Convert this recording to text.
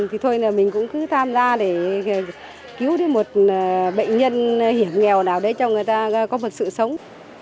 thì thôi là mình cũng cứ tham gia để cứu đến một bệnh nhân hiểm nghèo nào đấy cho người ta có một sự sống